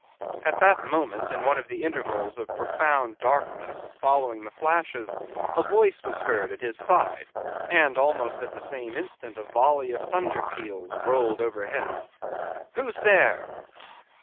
At that moment in one of the intervals of profound darkness, following the flashes, a voice was heard at his side; and almost at the same instant a volley of thunder peals rolled overhead. "Who's there?"